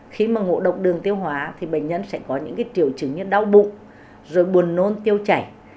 khi mà ngộ độc đường tiêu hóa thì bệnh nhân sẽ có những triệu chứng như đau bụng rồi buồn nôn tiêu chảy